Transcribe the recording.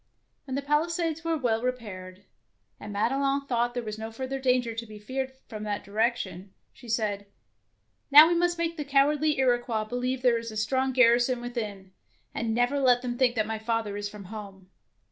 When the palisades were well repaired, and Madelon thought there was no further danger to be feared from that direction, she said, ''Now must we make the cowardly Iroquois believe that there is a strong garrison within, and never let them think that my father is from home.